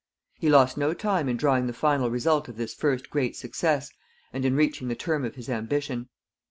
He lost no time in drawing the final result of this first great success and in reaching the term of his ambition.